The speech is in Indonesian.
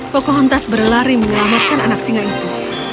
pocahontas berlari mengelamatkan anak singa itu